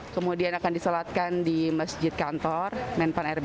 kemudian akan disolatkan di masjid kantor menpan rb